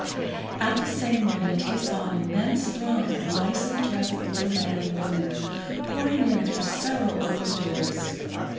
At the same moment he saw an immense throng of nicely dressed little men and women pouring in through several open doors.